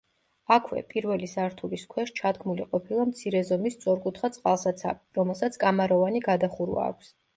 აქვე, პირველი სართულის ქვეშ ჩადგმული ყოფილა მცირე ზომის სწორკუთხა წყალსაცავი, რომელსაც კამაროვანი გადახურვა აქვს.